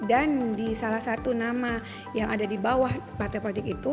dan di salah satu nama yang ada di bawah partai politik itu